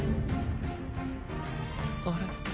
あれ？